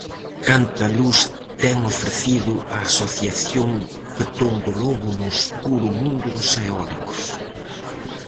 Canta luz ten ofrecido a asociación Petón do Lobo no escuro mundo dos eólicos!